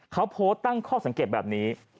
เขาโพสต์ตั้งข้อสังเกตแบบนี้